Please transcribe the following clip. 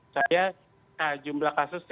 saya jumlah kasus